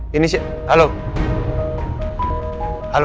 mulai berada di luar sana